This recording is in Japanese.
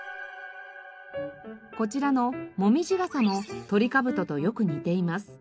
こちらのモミジガサもトリカブトとよく似ています。